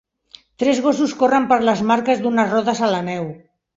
Tres gossos corren per les marques d'unes rodes a la neu.